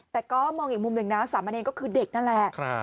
แต่ก็มองอีกมุมหนึ่งนะสามเณรก็คือเด็กนั่นแหละ